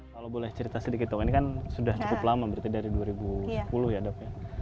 kalau boleh cerita sedikit dong ini kan sudah cukup lama berarti dari dua ribu sepuluh ya dok ya